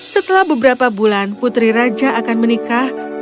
setelah beberapa bulan putri raja akan menikah